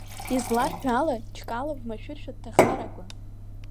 Изларҳәо ала Чкалов машәырла дҭахар акәын…